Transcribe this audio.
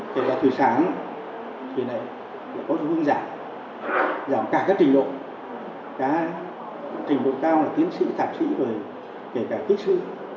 kể cả thủy sản thủy lợi là có sự phương giảm giảm cả các trình độ cao là tiến sĩ thạc sĩ kể cả kích sĩ